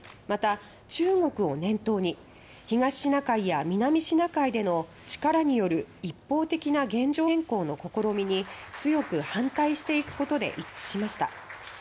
また、中国を念頭に東シナ海や南シナ海での力による一方的な現状変更の試みに強く反対していくことで一致しました。